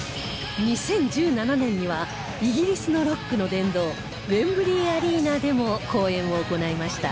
２０１７年にはイギリスのロックの殿堂ウェンブリー・アリーナでも公演を行いました